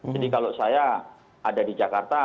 jadi kalau saya ada di jakarta